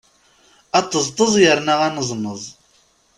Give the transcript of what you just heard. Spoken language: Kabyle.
Aṭeẓṭeẓ yerna aneẓneẓ!